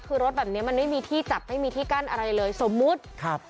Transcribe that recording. คือรถแบบเนี้ยมันไม่มีที่จับไม่มีที่กั้นอะไรเลยสมมุติครับ